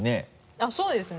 あっそうですね